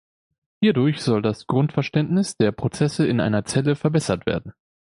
Hierdurch soll das Grundverständnis der Prozesse in einer Zelle verbessert werden.